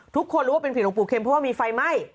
ทุกคนรู้ว่าเป็นผีหลวงปู่เข็มเพราะว่ามีไฟไหม้